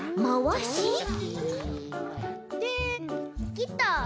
きった！